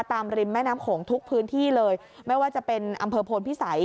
ริมแม่น้ำโขงทุกพื้นที่เลยไม่ว่าจะเป็นอำเภอโพนพิสัย